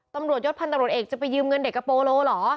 ตำรวจยศพันธบรวจเอกจะไปยืมเงินเด็กกับโปโลเหรอ